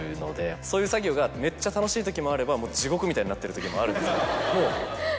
そういう作業がめっちゃ楽しい時もあれば地獄みたいになってる時もあるんですよ。